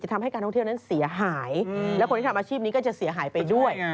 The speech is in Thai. ทำให้การท่องเที่ยวนั้นเสียหายและคนที่ทำอาชีพนี้ก็จะเสียหายไปด้วย